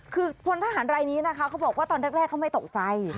คือพลทหารรายนี้นะคะเขาบอกว่าตอนแรกเขาไม่ตกใจ